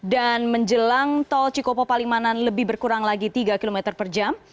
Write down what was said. dan menjelang tol cikopo palimanan lebih berkurang lagi tiga km per jam